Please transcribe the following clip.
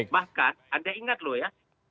bahkan anda ingat loh ya